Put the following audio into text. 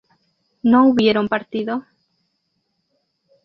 ¿no hubieron partido?